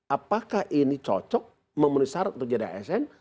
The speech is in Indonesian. apakah ini cocok memenuhi syarat untuk jadi asn